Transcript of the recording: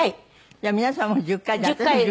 じゃあ皆さんも１０回で。